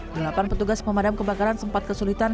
delapan petugas pemadam kebakaran sempat kesulitan